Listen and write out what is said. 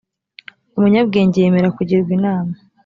umunyabwenge yemera kugirwa inama